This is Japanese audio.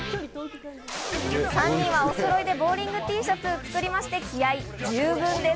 ３人はお揃いでボウリングＴシャツを作りまして、気合い十分です。